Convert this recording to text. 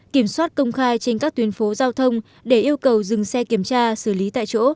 kiểm soát công khai trên các tuyến phố giao thông để yêu cầu dừng xe kiểm tra xử lý tại chỗ